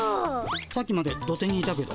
さっきまで土手にいたけど。